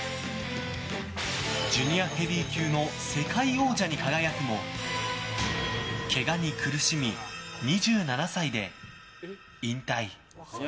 ジュニアヘビー級の世界王者に輝くもけがに苦しみ、２７歳で引退。